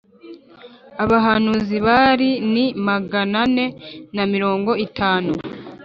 abahanuzi Bali ni magana ane na mirongo itanu